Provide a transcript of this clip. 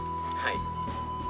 はい。